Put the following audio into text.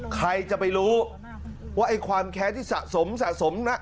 ใครจะไปรู้ว่าไอ้ความแค้นที่สะสมสะสมนะ